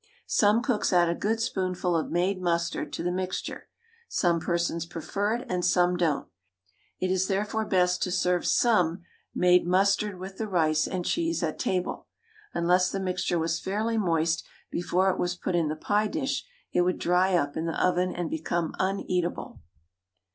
Some cooks add a good spoonful of made mustard to the mixture. Some persons prefer it and some don't; it is therefore best to serve some made mustard with the rice and cheese at table. Unless the mixture was fairly moist before it was put into the pie dish, it would dry up in the oven and become uneatable.